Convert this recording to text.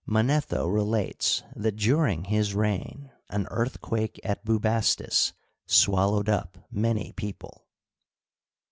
Manetho relates that during his reign an earth auake at Bubastis swallowed up many people.